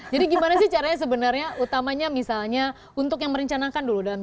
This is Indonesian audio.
jadi gimana sih caranya sebenarnya utamanya misalnya untuk yang merencanakan dulu